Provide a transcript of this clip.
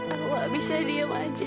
awak bisa diam saja